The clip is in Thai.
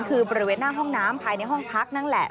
คือบริเวณหน้าห้องน้ำภายในห้องพักนั่นแหละ